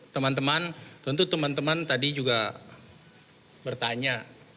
teman teman tentu teman teman tadi juga bertanya